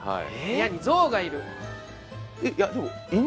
「部屋に象がいる」。